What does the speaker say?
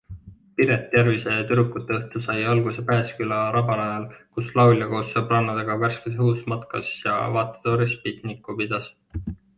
Piret Järvise tüdrukuteõhtu sai alguse Pääsküla rabarajal, kus laulja koos sõbrannadega värskes õhus matkas ja vaatetornis pikniku pidas.